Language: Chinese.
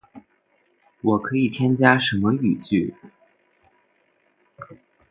我可以添加什么语句？